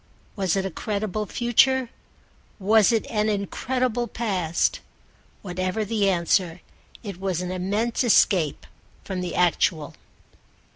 Was it a credible future? Was it an incredible past? Whatever the answer it was an immense escape from the actual.